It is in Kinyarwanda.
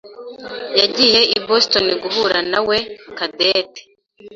yagiye i Boston guhura nawe Cadette.